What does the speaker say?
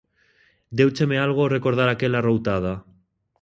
Déucheme algo ao recordar aquela arroutada.